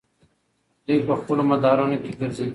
دوی په خپلو مدارونو کې ګرځي.